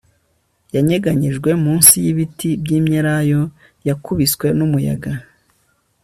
Yanyeganyejwe munsi yibiti byimyelayo yakubiswe numuyaga